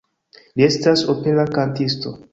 Li estas opera kantisto.